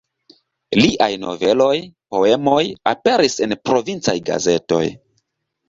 Liaj noveloj, poemoj aperis en provincaj gazetoj.